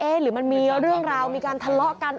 หรือมันมีเรื่องราวมีการทะเลาะกัน